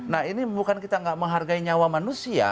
nah ini bukan kita tidak menghargai nyawa manusia